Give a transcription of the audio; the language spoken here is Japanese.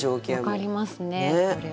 分かりますねこれは。